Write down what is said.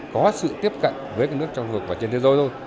có sự tiếp cận với các nước trong khu vực và trên thế giới thôi